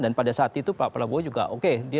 dan pada saat itu pak prabowo juga oke